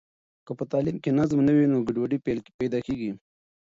که په تعلیم کې نظم نه وي نو ګډوډي پیدا کېږي.